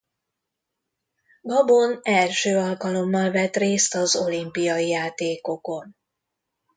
Gabon első alkalommal vett részt az olimpiai játékokon.